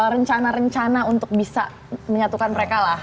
rencana rencana untuk bisa menyatukan mereka lah